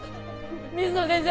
水野先生